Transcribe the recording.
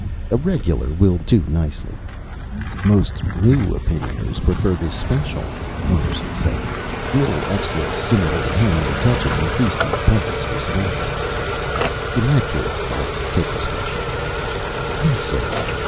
"A Regular will do nicely." "Most new Opinioners prefer the Special," Wonderson said. "The little extra simulated handmade touches increase the public's respect." "In that case I'll take the Special." "Yes, sir.